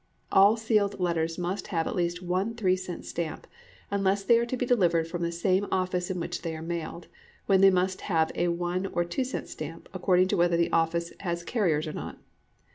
All sealed letters must have at least one three cent stamp, unless they are to be delivered from the same office in which they are mailed, when they must have a one or a two cent stamp, according to whether the office has carriers or not.